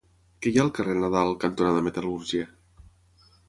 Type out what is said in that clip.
Què hi ha al carrer Nadal cantonada Metal·lúrgia?